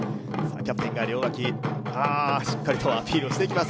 キャプテンが両脇、しっかりとアピールをしていきます。